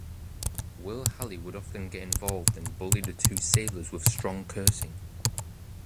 Will Halley would often get involved and bully the two sailors with strong cursing.